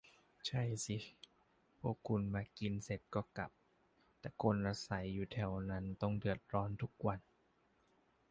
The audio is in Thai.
ใช่สิ พวกคุณมากินเสร็จก็กลับ แต่คนอาศัยอยู่แถวนั้นต้องเดือดร้อนทุกวัน